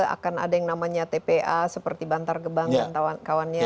akan ada yang namanya tpa seperti bantar gebang dan kawannya